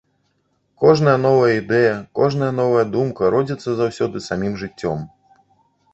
Кожная новая ідэя, кожная новая думка родзіцца заўсёды самім жыццём.